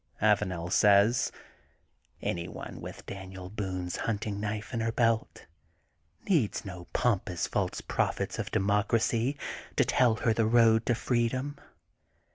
Avanel says: — Any one with Daniel Boone's hunting knife in her belt needs no pompous false prophets of democracy to tell her the road to freedom.